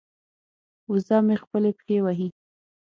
وزه مې خپلې پښې وهي.